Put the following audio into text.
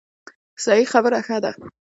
صحیح خبره ښه ده.